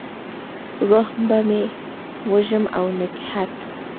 روح به مې وږم او نګهت،